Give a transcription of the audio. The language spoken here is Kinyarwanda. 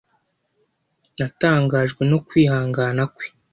Natangajwe no kwihangana kwe.